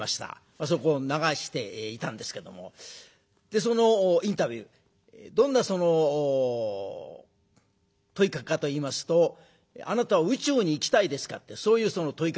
あそこを流していたんですけどもそのインタビューどんな問いかけかといいますと「あなたは宇宙に行きたいですか？」ってそういう問いかけでした。